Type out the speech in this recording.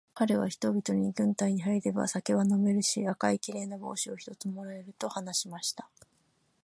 かれは人々に、軍隊に入れば酒は飲めるし、赤いきれいな帽子を一つ貰える、と話しました。